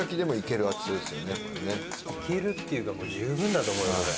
いけるっていうかもう十分だと思うよこれ。